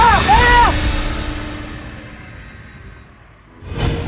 saya sudah tanya sama bapak